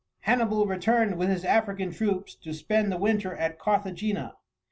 Hannibal returned with his African troops to spend the winter at Carthagena.